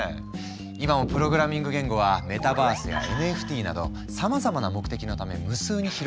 今もプログラミング言語はメタバースやＮＦＴなどさまざまな目的のため無数に広がり続けている。